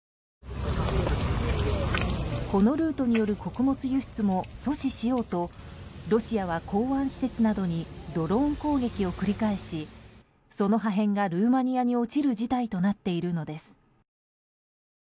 このルートによる穀物輸出も阻止しようとロシアは港湾施設などにドローン攻撃を繰り返しその破片がルーマニアに落ちる事態となっているのです。